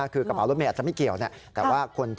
คือกระเป๋ารถเมย์อาจจะไม่เกี่ยวนะ